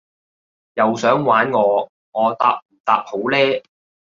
又想玩我？我答唔答好呢？